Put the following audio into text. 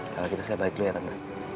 kalau gitu saya balik dulu ya karena